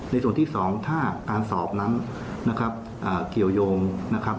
ส่วนที่สองถ้าการสอบนั้นนะครับเกี่ยวยงนะครับ